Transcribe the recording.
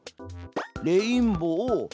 「レインボー」。